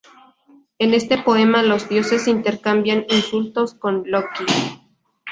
En este poema los dioses intercambian insultos con Loki.